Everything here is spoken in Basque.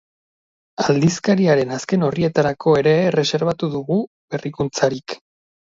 Aldizkariaren azken orrietarako ere erreserbatu dugu berrikuntzarik.